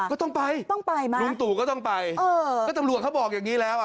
ก็ต้องไปลุงตู่ก็ต้องไปตำรวจเขาบอกอย่างนี้แล้ว